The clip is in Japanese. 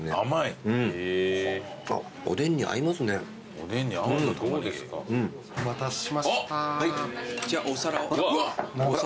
お待たせしました。